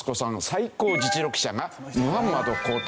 最高実力者がムハンマド皇太子。